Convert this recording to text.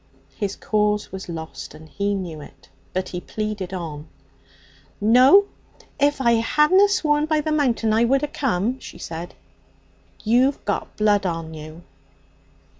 His cause was lost, and he knew it, but he pleaded on. 'No. If I hadna swore by the Mountain I wouldna come,' she said. 'You've got blood on you.'